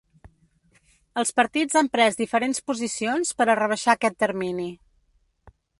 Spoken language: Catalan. Els partits han pres diferents posicions per a rebaixar aquest termini.